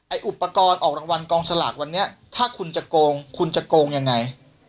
อุปกรณ์ออกรางวัลกองสลากวันนี้ถ้าคุณจะโกงคุณจะโกงยังไง